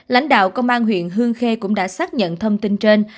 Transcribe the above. lãnh đạo công an huyện hương khê cũng đã xác nhận thông tin trên